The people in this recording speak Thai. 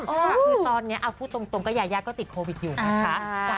คือตอนนี้เอาพูดตรงก็ยายาก็ติดโควิดอยู่นะคะ